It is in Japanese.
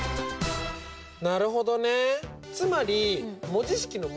なるほどね。